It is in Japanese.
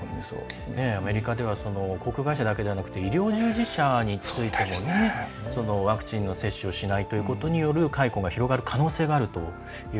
アメリカでは航空会社だけじゃなくて医療従事者についてもワクチン接種をしないことによる解雇が広がる可能性があると。